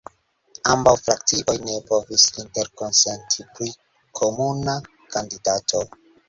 Ambaŭ frakcioj ne povis interkonsenti pri komuna kandidato.